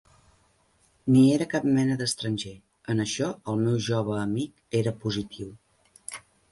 Ni era cap mena d'estranger, en això el meu jove amic era positiu.